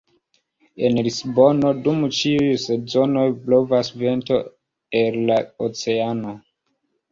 En Lisbono dum ĉiuj sezonoj blovas vento el la oceano.